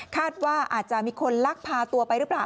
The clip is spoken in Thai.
คาดว่าอาจจะมีคนลักพาตัวไปหรือเปล่า